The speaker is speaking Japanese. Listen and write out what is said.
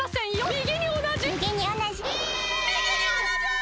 みぎにおなじ！